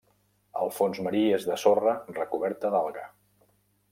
El fons marí és de sorra recoberta d'alga.